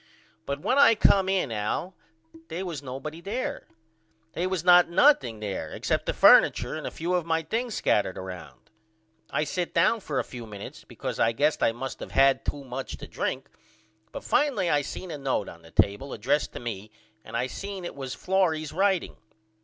But when I come in Al they was nobody there. They was not nothing there except the furniture and a few of my things scattered round. I sit down for a few minutes because I guess I must of had to much to drink but finally I seen a note on the table addressed to me and I seen it was Florrie's writeing.